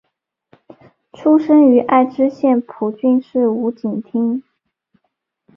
出身于爱知县蒲郡市五井町。